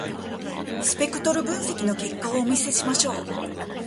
スペクトル分析の結果をお見せしましょう。